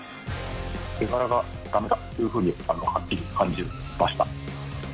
絵柄がだめだっていうふうにはっきり感じました。